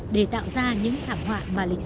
để tạo ra những thảm họa mà lịch sử không bao giờ quên